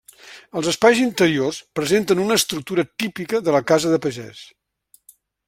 Els espais interiors presenten una estructura típica de la casa de pagès.